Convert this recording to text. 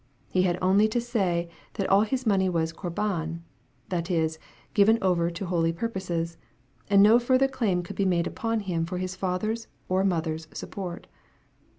He had only to say that all his money was " corban" that is, given over to holy purposes and no further claim could be made upon him for his father's or mother's support.